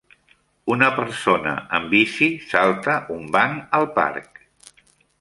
Una persona en bici salta un banc al parc.